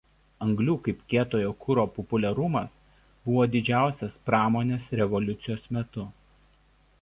Anglių kaip kietojo kuro populiarumas buvo didžiausias pramonės revoliucijos metu.